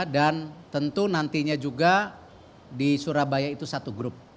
dan tentu nantinya juga di surabaya itu satu grup